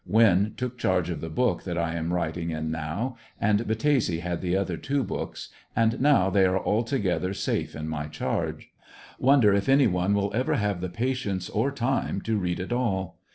Winn took charge of the book that I am writing in now and i3attese had the other two books, and now they are all 104 ANDEB80NVILLE DIARY. together safe in my charge. Wonder if any one will ever have the patience or time to read it all?